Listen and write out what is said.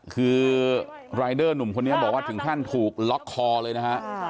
คือรายเดอร์หนุ่มคนนี้บอกว่าถึงขั้นถูกล็อกคอเลยนะฮะ